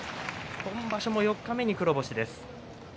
今場所も四日目に黒星です。